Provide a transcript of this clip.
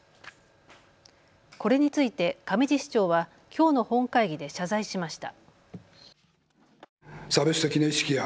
これについて上地市長はきょうの本会議で謝罪しました。